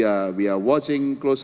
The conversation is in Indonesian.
kami menonton dengan jelas